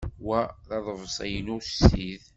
Wa d aḍebsi-inu ussid.